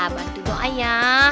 bantu doa ya